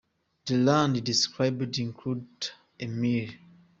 The land described includes a mill.